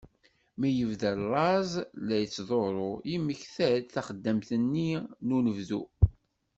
Mi yebda llaẓ la t-yettḍurru, yemmekta-d taxeddamt-nni n unebdu.